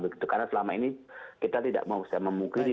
karena selama ini kita tidak mau saya memungkiri